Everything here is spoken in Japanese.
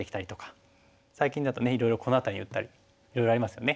最近だとねいろいろこの辺りに打ったりいろいろありますよね。